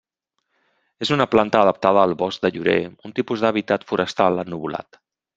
És una planta adaptada al bosc de llorer, un tipus d'hàbitat forestal ennuvolat.